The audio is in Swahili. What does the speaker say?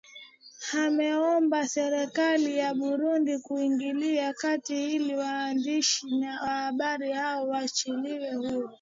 ameiomba serikali ya burundi kuingilia kati ili waandishi wa habari hao waachiliwe huru